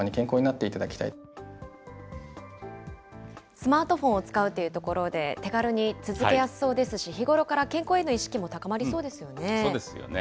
スマートフォンを使うというところで、手軽に続けやすそうですし、日頃から健康への意識も高まりそうですよね。